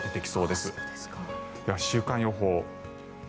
では週間予報。